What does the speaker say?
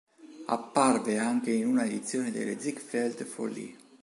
Apparve anche in una edizione delle Ziegfeld Follies.